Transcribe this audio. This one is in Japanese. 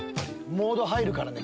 モード入るからね。